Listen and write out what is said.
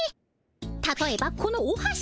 たとえばこのおはし。